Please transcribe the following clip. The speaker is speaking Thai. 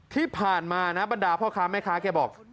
ที่ผ่านมานะบรรดาพ่อค้าแม่ค้าแกบอก